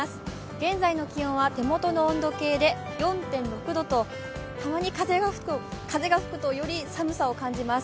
現在の気温は手元の温度計で４．６度とたまに風が吹くとより寒さを感じます。